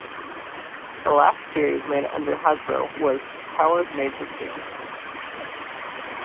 The last series made under Hasbro was "Towers Made to Scale".